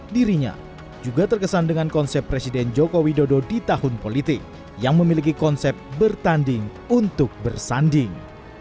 dirinya juga terkesan dengan konsep presiden joko widodo di tahun politik yang memiliki konsep bertanding untuk bersanding